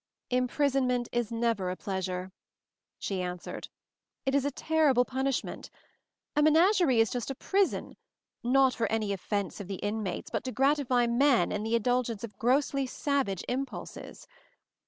"Imprisonment is never a pleasure," she answered; "it is a terrible punishment. A menagerie is just a prison, not for any of fense of the inmates, but to gratify men in the indulgence of grossly savage impulses.